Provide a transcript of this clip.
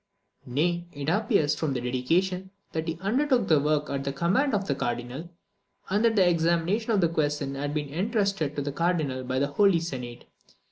Nay, it appears from the dedication, that he undertook the work at the command of the Cardinal, and that the examination of the question had been entrusted to the Cardinal by the Holy Senate.